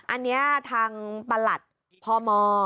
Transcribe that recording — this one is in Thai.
อันนี้ทางประหลัดพม